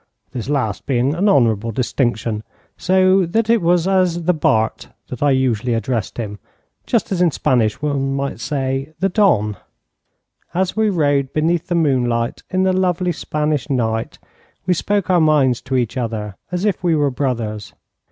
this last being an honourable distinction, so that it was as the Bart that I usually addressed him, just as in Spanish one might say 'the Don.' As we rode beneath the moonlight in the lovely Spanish night, we spoke our minds to each other, as if we were brothers.